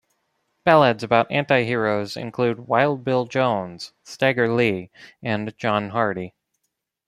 Ballads about anti-heroes include "Wild Bill Jones", "Stagger Lee" and "John Hardy".